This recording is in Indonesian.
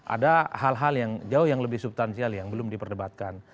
ada hal hal yang jauh yang lebih subtansial yang belum diperdebatkan